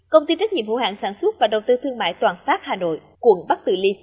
công ty trách nhiệm hữu hạng sản xuất và đầu tư thương mại toàn phát hà nội quận bắc tự liên